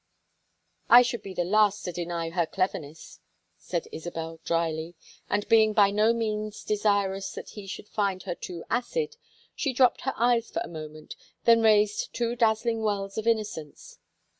"I should be the last to deny her cleverness," said Isabel, dryly. But being by no means desirous that he should find her too acid, she dropped her eyes for a moment, then raised two dazzling wells of innocence.